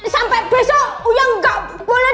sampai besok yang nggak boleh